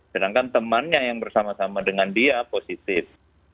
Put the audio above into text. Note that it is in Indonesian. sedangkan temannya yang bersama sama dengan dia positif